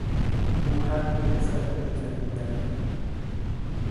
او حقی نسبت به این زمین ندارد.